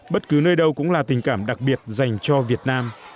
bất cứ nơi đâu cũng là tình cảm đặc biệt dành cho việt nam